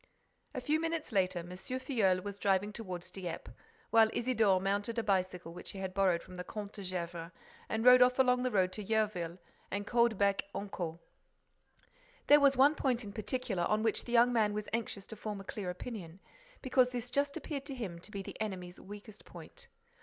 A few minutes later, M. Filleul was driving toward Dieppe, while Isidore mounted a bicycle which he had borrowed from the Comte de Gesvres and rode off along the road to Yerville and Caudebec en Caux. There was one point in particular on which the young man was anxious to form a clear opinion, because this just appeared to him to be the enemy's weakest point.